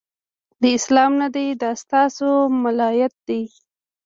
دا اسلام نه دی، د ستا سو ملایت دی